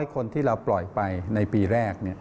คนที่เราปล่อยไปในปีแรก